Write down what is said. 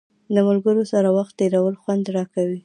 د ملګرو سره وخت تېرول خوند راکوي.